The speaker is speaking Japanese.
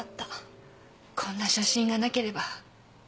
こんな写真がなければ。